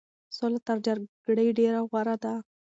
سوله تر جګړې ډېره غوره ده.